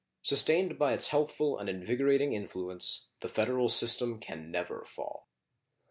Sustained by its healthful and invigorating influence the federal system can never fall.